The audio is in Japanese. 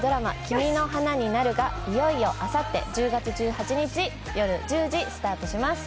「君の花になる」がいよいよあさって１０月１８日よる１０時スタートします